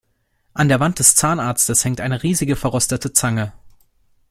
An der Wand des Zahnarztes hängt eine riesige, verrostete Zange.